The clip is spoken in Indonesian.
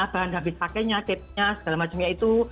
bahan habis pakainya tip nya segala macamnya itu